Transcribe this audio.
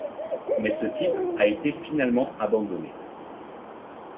Mais ce titre a été finalement abandonné.